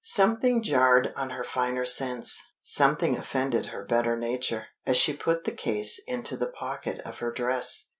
Something jarred on her finer sense, something offended her better nature, as she put the case into the pocket of her dress.